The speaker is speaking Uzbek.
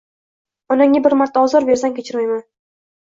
Onangga bir marta ozor bersang, kechirmayman.